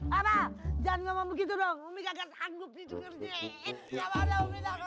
apa jangan ngomong begitu dong umi gak akan sanggup dituker mi